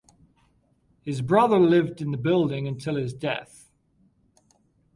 His brother lived in the building until his death.